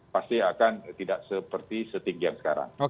pasti akan tidak seperti setinggi yang sekarang